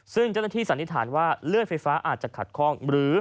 ซึ่งเจ้าหน้าที่สันนิษฐานว่าเลือดไฟฟ้าอาจจะขัดข้องหรือ